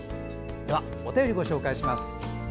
では、お便りご紹介します。